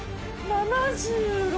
７６。